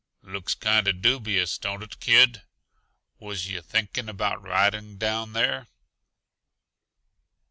"Looks kinda dubious, don't it, kid? Was yuh thinking about riding down there?"